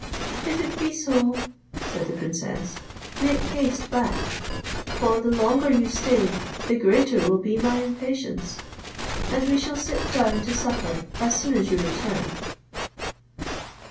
"If it be so," said the princess, "make haste back; for the longer you stay, the greater will be my impatience, and we shall sit down to supper as soon as you return."